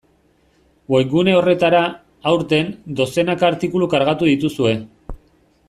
Webgune horretara, aurten, dozenaka artikulu kargatu dituzue.